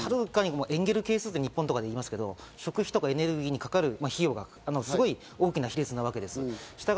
途上国のほうがエンゲル係数って日本とかで言いますけど、食費とかエネルギーにかかる費用がすごく大きな比率なんです。